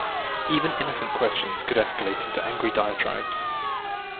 Even innocent questions could escalate into angry diatribes.